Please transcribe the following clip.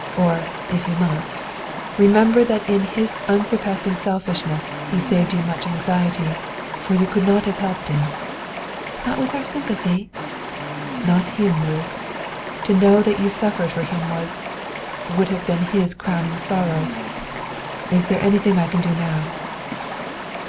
Or, if you must, remember that in his surpassing unselfishness he saved you much anxiety; for you could not have helped him." "Not with our sympathy?" "Not him, Ruth; to know that you suffered for him was would have been his crowning sorrow. Is there anything I can do now?"